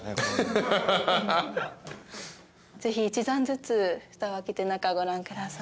ぜひ１段ずつふたを開けて中ご覧ください。